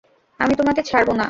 আমি তোমাদের ছাড়বো না!